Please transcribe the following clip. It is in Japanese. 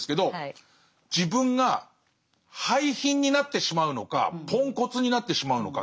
自分が廃品になってしまうのかポンコツになってしまうのか。